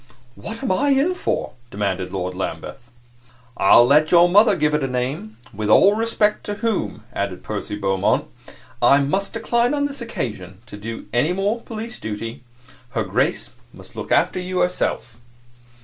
"What am I in for?" demanded Lord Lambeth. "I will let your mother give it a name. With all respect to whom," added Percy Beaumont, "I must decline on this occasion to do any more police duty. Her Grace must look after you herself."